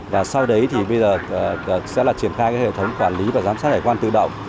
và sau đấy thì bây giờ sẽ là triển khai cái hệ thống quản lý và giám sát hải quan tự động